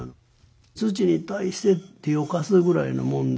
土に対して手を貸すぐらいのもんで。